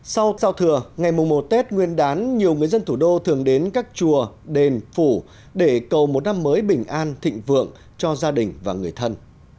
sau thừa ngày mùa một tết nguyên đán nhiều người dân thủ đô thường đến các chùa đền phủ để cầu một năm mới bình an thịnh vượng cho gia đình và người thân